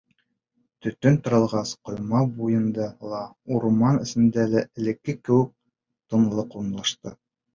Төтөн таралғас, ҡойма буйында ла, урман эсендә лә элекке кеүек тынлыҡ урынлашты.